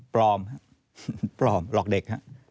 ปลอมปลอมหลอกเด็ก